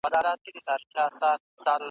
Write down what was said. د هغه مغفور روح ته دعا کوم .